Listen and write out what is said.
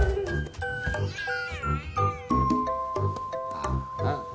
ああ。